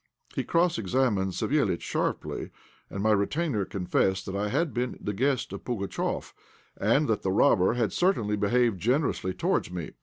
He cross examined Savéliitch sharply, and my retainer confessed that I had been the guest of Pugatchéf, and that the robber had certainly behaved generously towards me.